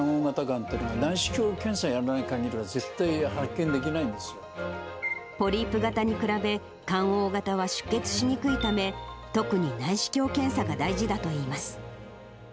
かん凹型がんっていうのは、内視鏡検査をやらないかぎりは絶ポリープ型に比べ、陥凹型は出血しにくいため、特に内視鏡検査が大事だといいます。